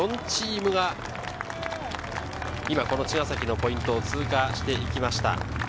４チームが今、茅ヶ崎のポイントを通過していきました。